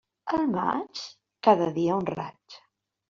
Al maig, cada dia un raig.